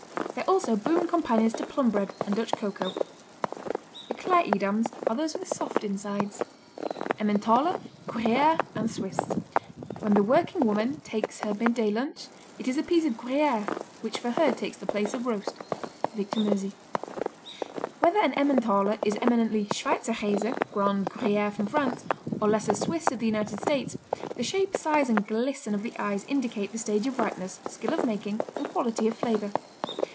They're also boon companions to plum bread and Dutch cocoa. "Eclair Edams" are those with soft insides. Emmentaler, Gruyère and Swiss When the working woman Takes her midday lunch, It is a piece of Gruyère Which for her takes the place of roast. Victor Meusy Whether an Emmentaler is eminently Schweizerkäse, grand Gruyère from France, or lesser Swiss of the United States, the shape, size and glisten of the eyes indicate the stage of ripeness, skill of making and quality of flavor.